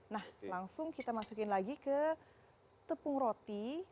nah langsung kita masukin lagi ke tepung roti